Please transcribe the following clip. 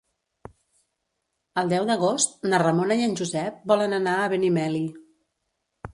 El deu d'agost na Ramona i en Josep volen anar a Benimeli.